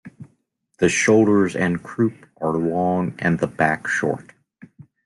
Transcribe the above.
The shoulders and croup are long and the back short.